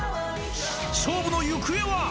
勝負の行方は。